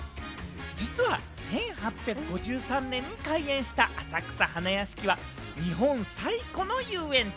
実は１８５３年に開園した浅草花やしきは、日本最古の遊園地。